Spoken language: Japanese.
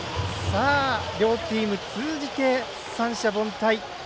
両チーム通じて三者凡退。